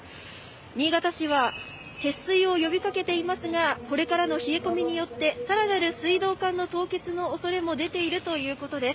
新潟市は、節水を呼びかけていますが、これからの冷え込みによって、さらなる水道管の凍結のおそれも出ているということです。